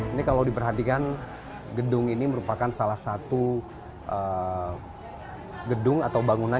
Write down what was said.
ini kalau diperhatikan gedung ini merupakan salah satu gedung atau bangunan